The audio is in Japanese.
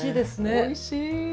おいしい！